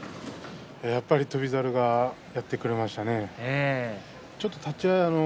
やっぱり翔猿がやってくれましたね、立ち合い。